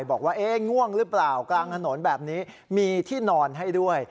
บอกว่าง่วงหรือเปล่ากลางถนนแบบนี้มีที่นอนให้ด้วย